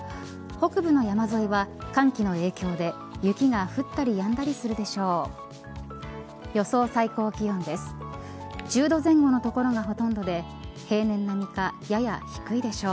北部の山沿いは寒気の影響で雪が降ったりやんだりするでしょう。